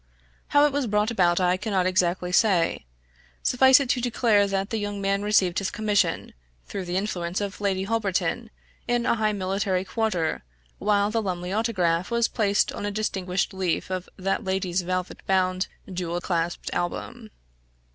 How it was brought about I cannot exactly say. Suffice it to declare that the young man received his commission, through the influence of Lady Holberton, in a high military quarter, while the Lumley Autograph was placed on a distinguished leaf of that lady's velvet bound, jewel clasped album.